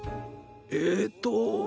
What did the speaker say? えっと。